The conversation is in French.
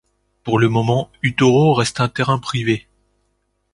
Pour le moment Utoro reste un terrain privé.